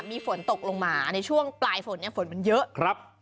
มีฝนตกลงมาในช่วงปลายฝนเนี่ยฝนมันเยอะครับ